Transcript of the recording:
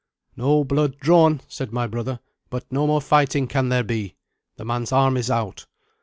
"No blood drawn," said my brother, "but no more fighting can there be. The man's arm is out."